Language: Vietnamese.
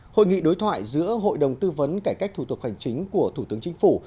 hội nghị đối thoại giữa hội đồng tư vấn cải cách thủ tục hành chính của thủ tướng chính phủ